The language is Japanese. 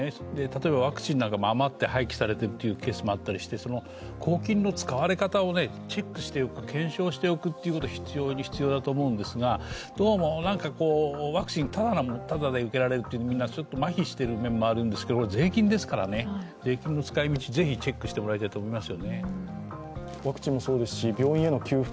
例えばワクチンも余って廃棄されてるというケースもあったりして、公金の使われ方をチェックしておく、検証しておくということが必要だと思うんですが、どうも、ワクチンはただで受けられるとまひしてる面もありますから税金ですからね、税金の使い道、ぜひチェックしてもらいたいと思います。